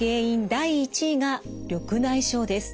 第１位が緑内障です。